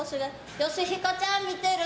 ヨシヒコちゃん、見てる？